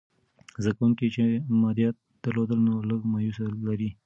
زده کوونکي چې مادیات درلودل، نو لږ مایوسې لري.